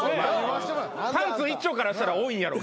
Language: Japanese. パンツ一丁からしたら多いんやろうけど。